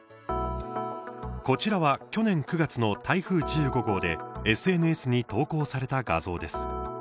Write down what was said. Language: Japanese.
こちらは去年９月の台風１５号でＳＮＳに投稿された画像です。